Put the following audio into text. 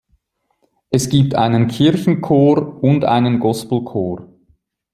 Es gibt einen Kirchenchor und einen Gospelchor.